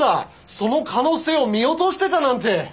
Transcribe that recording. その可能性を見落としてたなんて！